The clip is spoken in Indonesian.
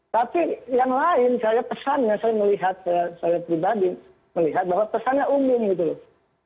tapi yang lain saya pesannya saya melihat saya pribadi melihat bahwa pesannya umum gitu loh